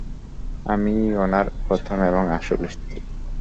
আমি- ই উনার প্রথম এবং আসল স্ত্রী।